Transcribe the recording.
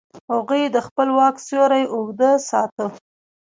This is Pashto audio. هغوی د خپل واک سیوری اوږده ساته.